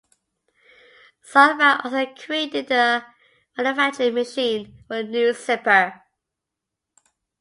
Sundback also created the manufacturing machine for the new zipper.